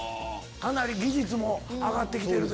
かなり技術も上がって来てる。